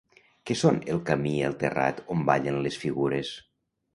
Què són el camí i el terrat on ballen les figures?